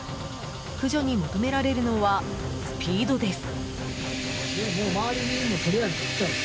駆除に求められるのはスピードです。